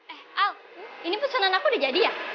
eh al ini pesanan aku udah jadi ya